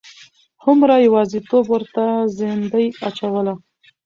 هومره یوازیتوب ورته زندۍ اچوله.